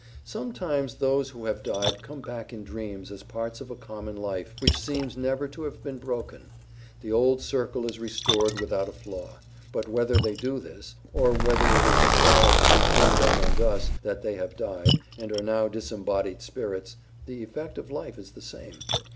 Sometimes those who have died come back in dreams as parts of a common life which seems never to have been broken; the old circle is restored without a flaw; but whether they do this, or whether it is acknowledged between them and us that they have died, and are now disembodied spirits, the effect of life is the same.